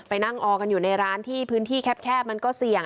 นั่งออกันอยู่ในร้านที่พื้นที่แคบมันก็เสี่ยง